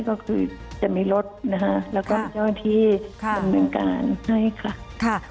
ก็คือจะมีรถและไม่ใช่ว่าที่ดำรุนการ